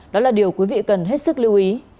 đó là điều quý vị cần hết sức lưu ý